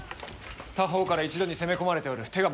多方から一度に攻め込まれておる手が回らぬ！